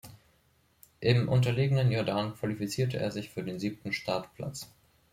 Im unterlegenen Jordan qualifizierte er sich für den siebten Startplatz.